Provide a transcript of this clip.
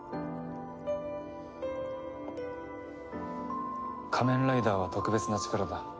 仮面ライダーは特別な力だ。